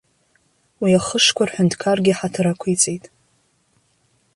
Уи ахышқәа рҳәынҭқаргьы ҳаҭыр ақәиҵеит.